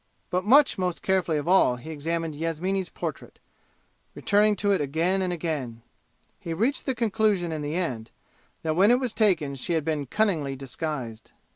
But much most carefully of all he examined Yasmini's portrait, returning to it again and again. He reached the conclusion in the end that when it was taken she had been cunningly disguised.